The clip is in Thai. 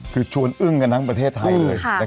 คือชวนอึ้งกันทั้งประเทศไทยเลย